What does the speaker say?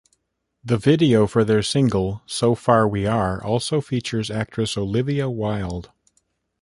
Their video for their single "So Far We Are" also features actress Olivia Wilde.